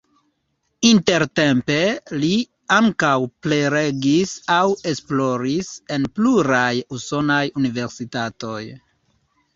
Intertempe li ankaŭ prelegis aŭ esploris en pluraj usonaj universitatoj.